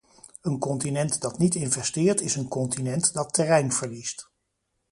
Een continent dat niet investeert is een continent dat terrein verliest.